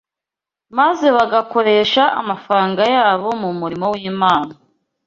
maze bagakoresha amafaranga yabo mu murimo w’Imana.